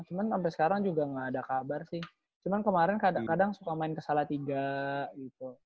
cuman sampe sekarang juga gak ada kabar sih cuman kemarin kadang suka main ke salatiga gitu